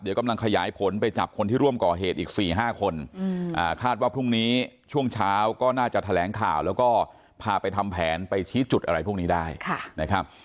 เดี๋ยวกำลังขยายผลไปจับคนที่ร่วมก่อเหตุอีก๔๕คนคาดว่าพรุ่งนี้ช่วงเช้าก็น่าจะแถลงข่าวแล้วก็พาไปทำแผนไปชี้จุดอะไรพวกนี้ได้นะครับ